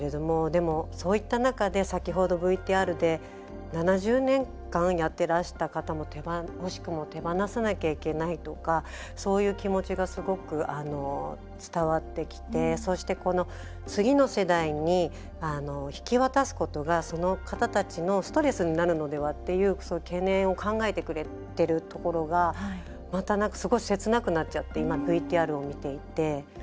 でも、そういった中で先ほどＶＴＲで７０年間やってらした方も惜しくも手放さなきゃいけないとかそういう気持ちがすごく伝わってきてそして、この次の世代に引き渡すことが、その方たちのストレスになるのではっていうその懸念を考えてくれているところがまたなんか切なくなっちゃってＶＴＲを見ていて。